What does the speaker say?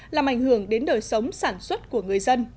làm ảnh hưởng đến đời sống sản xuất của người dân